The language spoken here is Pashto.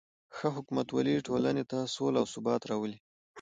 ښه حکومتولي ټولنې ته سوله او ثبات راولي.